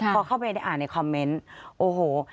พอเข้าไปได้อ่านในคอมเมนต์โอ้โห